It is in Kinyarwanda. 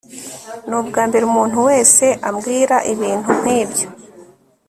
ni ubwambere umuntu wese ambwira ibintu nkibyo